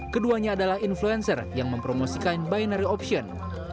keduanya adalah influencer yang mempromosikan binary option